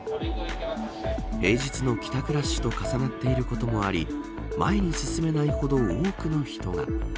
平日の帰宅ラッシュと重なっていることもあり前に進めないほど多くの人が。